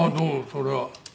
それは。